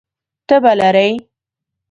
تبه لرئ؟